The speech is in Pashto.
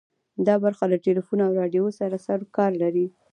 دا برخه له ټلیفون او راډیو سره سروکار لري.